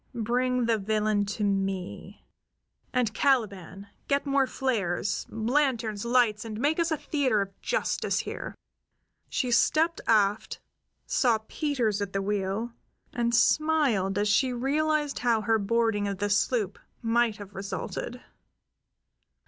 Bring the villain to me. And, Caliban, get more flares, lanterns, lights, and make us a theater of justice here." She stepped aft, saw Peters at the wheel, and smiled as she realized how her boarding of the sloop might have resulted.